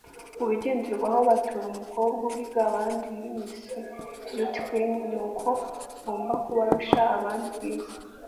Mu bigenderwaho batora umukobwa uhiga abandi muri Miss Beaty Queen nuko agomba kuba arusha abandi Ubwiza